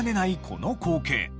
この光景。